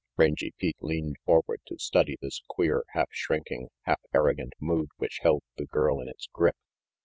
Rangy Pete leaned forward to study this queer half shrinking, half arrogant mood which held the girl in its grip.